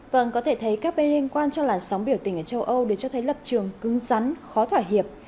vâng có thể thấy các bên liên quan cho làn sóng biểu tình ở châu âu đều cho thấy lập trường cứng rắn khó thỏa hiệp